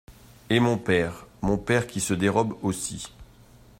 Et mon père, mon père qui se dérobe aussi!